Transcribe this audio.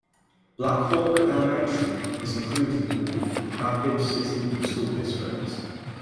Black Hawk Elementary is included in the Rapid City School District.